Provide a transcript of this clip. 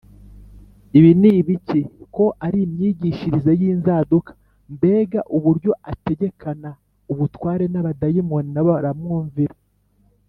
ibi ni ibiki? ko ari imyigishirize y’inzaduka! mbega uburyo ategekana ubutware, n’abadayimoni na bo baramwumvira